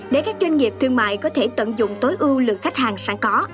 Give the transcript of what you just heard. để các doanh nghiệp thương mại có thể tận dụng tối ưu lượng khách hàng sẵn có